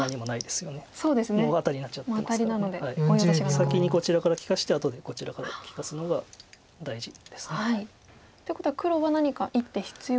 先にこちらから利かして後でこちらから利かすのが大事です。ということは黒は何か１手必要なんですね。